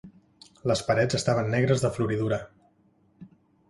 Les parets estaven negres de floridura.